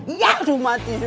iya mati juga